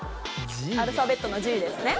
アルファベットの「Ｇ」ですね。